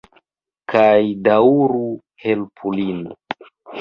Kaj daŭru... helpu lin.